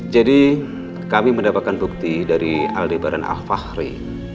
jadi kami mendapatkan bukti dari aldebaran al fahri